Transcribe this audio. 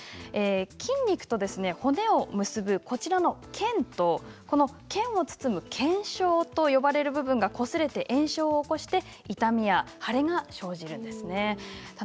筋肉と骨を結ぶ腱と腱を包む腱鞘と呼ばれる部分がこすれて炎症を起こして痛みや腫れが生じるんですね。